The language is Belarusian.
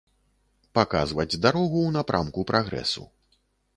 Паказваць дарогу ў напрамку прагрэсу.